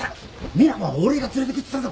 ミナは俺が連れてくって言ったぞ。